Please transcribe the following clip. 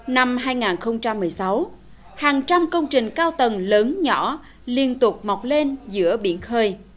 năm hai nghìn một mươi sáu hàng trăm công trình cao tầng lớn nhỏ liên tục tăng nhanh